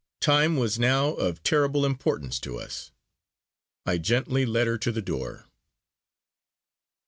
Time was now of terrible importance to us I gently led her to the door.